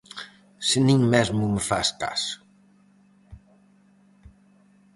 Se nin mesmo me fas caso!